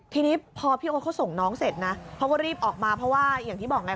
ทีนี้พอพี่โอ๊ตเขาส่งน้องเสร็จนะเขาก็รีบออกมาเพราะว่าอย่างที่บอกไง